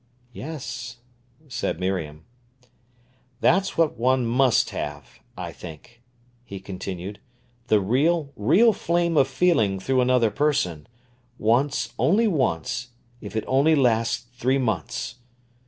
"Yes," said Miriam. "That's what one must have, I think," he continued—"the real, real flame of feeling through another person—once, only once, if it only lasts three months.